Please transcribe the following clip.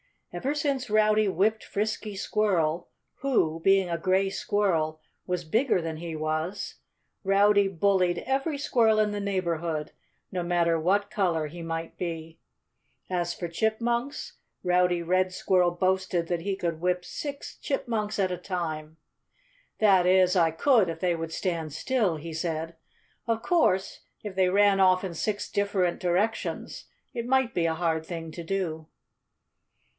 Ever since Rowdy whipped Frisky Squirrel, who (being a gray squirrel) was bigger than he was, Rowdy bullied every squirrel in the neighborhood no matter what color he might be. As for chipmunks, Rowdy Red Squirrel boasted that he could whip six chipmunks at a time. "That is, I could if they would stand still," he said. "Of course, if they ran off in six different directions it might be a hard thing to do."